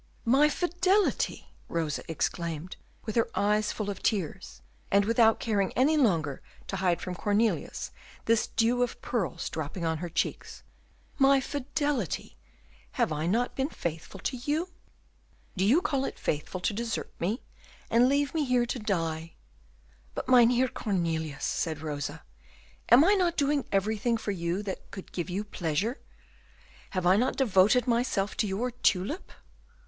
"My fidelity!" Rosa exclaimed, with her eyes full of tears, and without caring any longer to hide from Cornelius this dew of pearls dropping on her cheeks, "my fidelity! have I not been faithful to you?" "Do you call it faithful to desert me, and to leave me here to die?" "But, Mynheer Cornelius," said Rosa, "am I not doing everything for you that could give you pleasure? have I not devoted myself to your tulip?"